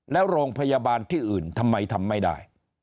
แล้วโรงพยาบาลที่อื่นทำไมทำไม่ได้